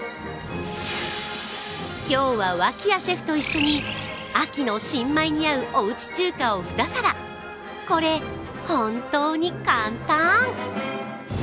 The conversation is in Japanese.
今日は、脇屋シェフと一緒に秋の新米にあう、おうち中華を２皿これ、本当に簡単！